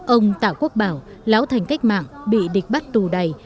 ông tạ quốc bảo láo thành cách mạng bị địch bắt tù đầy